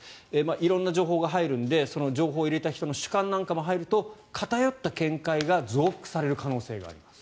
色んな情報が入るのでその情報を入れた人の主観なんかも入ると偏った見解が増幅される可能性があります。